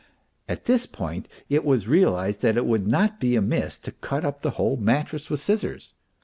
At this point it was realized that it would not be amiss to cut up the whole mattress with scissors.